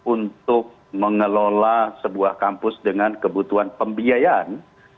untuk mengelola sebuah kampus dengan kebutuhan pembiayaan